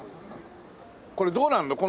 これどうなの？